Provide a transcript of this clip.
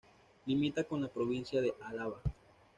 Limita con la provincia de Álava.